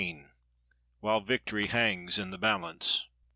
WHILE VICTORY HANGS IN THE BALANCE.